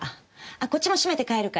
こっちも閉めて帰るから。